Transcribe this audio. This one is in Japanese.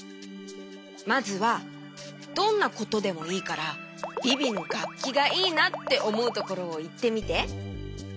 まずはどんなことでもいいからビビのがっきがいいなっておもうところをいってみて。